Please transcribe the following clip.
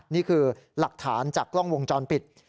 นี่คือหลักฐานจากกล้องวงจรปิด